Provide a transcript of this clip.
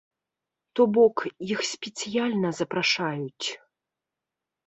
То бок, іх спецыяльна запрашаюць.